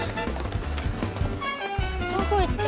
どこ行った？